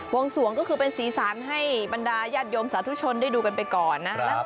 วงสวงก็คือเป็นสีสันให้บรรดาญาติโยมสาธุชนได้ดูกันไปก่อนนะครับ